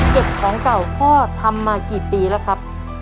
ของเก่าพ่อทำมากี่ปีแล้วครับ